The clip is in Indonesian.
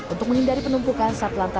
untuk menghindari penumpukan